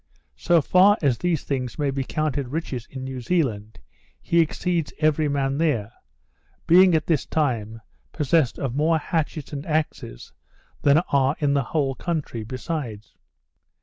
So far as these things may be counted riches in New Zealand, he exceeds every man there; being, at this time, possessed of more hatchets and axes than are in the whole country besides.